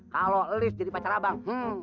kalau lift jadi pacar abang